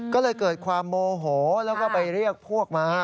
ก็เลยเกิดความโมโหแล้วก็ไปเรียกพวกมา